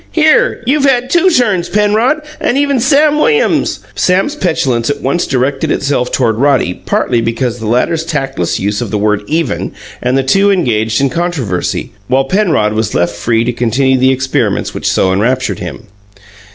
Here you've had two turns, Penrod, and even Sam Williams " Sam's petulance at once directed itself toward Roddy partly because of the latter's tactless use of the word "even," and the two engaged in controversy, while Penrod was left free to continue the experiments which so enraptured him.